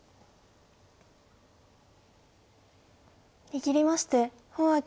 握りまして洪爽